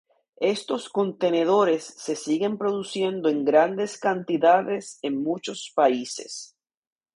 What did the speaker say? Estos contenedores se siguen produciendo en grandes cantidades en muchos países.